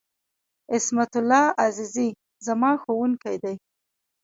عصمت الله عزیزي ، زما ښوونکی دی.